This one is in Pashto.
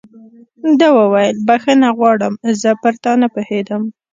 ده وویل: بخښنه غواړم، زه پر تا نه پوهېدم.